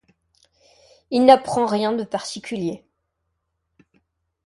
Il n'apprend rien de particulier.